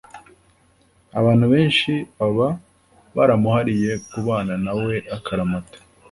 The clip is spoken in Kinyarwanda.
abantu benshi baba baramuhariye kubana na we akaramata: